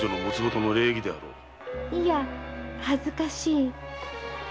いや恥ずかしい。